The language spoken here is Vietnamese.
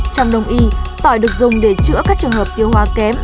trong đồng ý tỏi được dùng để chữa các trường hợp tiêu hóa kém